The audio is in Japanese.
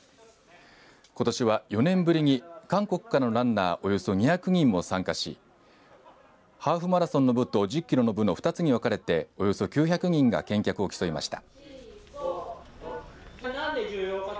ことしは４年ぶりに韓国からのランナーおよそ２００人も参加しハーフマラソンの部と１０キロの部の２つに分かれておよそ９００人が健脚を競いました。